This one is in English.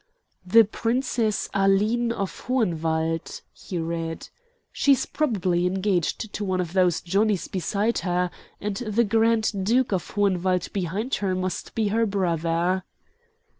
"'The Princess Aline of Hohenwald,'" he read. "She's probably engaged to one of those Johnnies beside her, and the Grand Duke of Hohenwald behind her must be her brother."